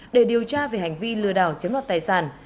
để điều tra về hành vi lừa đảo chiếm đoạt tài sản